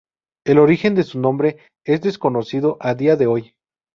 El origen de su nombre es desconocido a día de hoy.